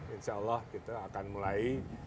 insya allah kita akan mulai